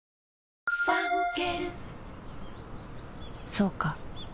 そうか